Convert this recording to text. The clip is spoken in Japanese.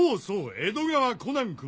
江戸川コナンくん。